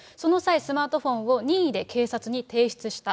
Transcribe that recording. その際、スマートフォンを任意で警察に提出した。